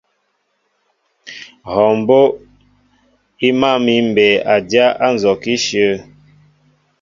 Hɔɔ mbó' í máál mi mbey a dyá á nzɔkə íshyə̂.